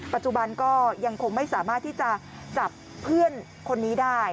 ปัจจุบันก็ยังคงไม่สามารถที่จะจับเพื่อนคนนี้ได้